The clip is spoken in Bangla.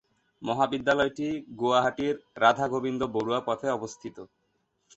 মহাবিদ্যালয়টি গুয়াহাটির রাধাগোবিন্দ বরুয়া পথে অবস্থিত।